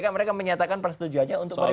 mereka menyatakan persetujuannya untuk mereka